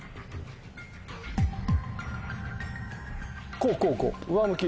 こうこうこう上向き。